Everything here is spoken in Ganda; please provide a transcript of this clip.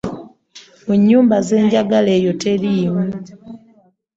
Munyumba zenjagala eyo terimu.